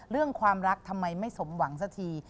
เรื่องความรักทำไมไม่สมหวังสักที